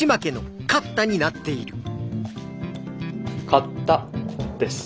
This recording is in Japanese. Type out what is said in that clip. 「買った」です。